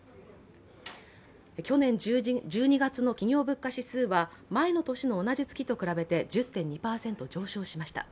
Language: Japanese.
去年１２月の企業物価指数は前の年の同じ月と比べて１０．２％上昇しました。